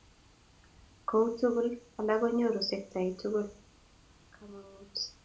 ko u tunguk alak konyorun sectait tugul kamangut